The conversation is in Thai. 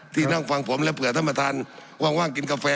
ที่นั่งฟังผมและเผื่อท่านประธานว่างกินกาแฟ